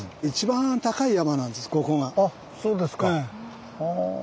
あそうですか。